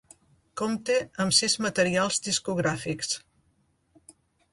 Compta amb sis materials discogràfics.